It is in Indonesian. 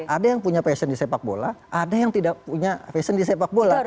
ada yang punya passion di sepak bola ada yang tidak punya fashion di sepak bola